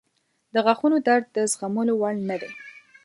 • د غاښونو درد د زغملو وړ نه دی.